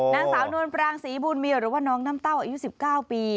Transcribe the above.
นางสาวนวลปรางศรีบุญมีหรือว่าน้องน้ำเต้าอายุ๑๙ปี